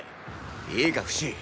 いいかフシ！